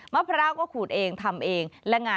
มะพร้าวก็ขูดเองทำเอง